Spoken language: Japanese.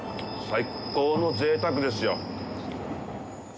最高のぜいたくですよ。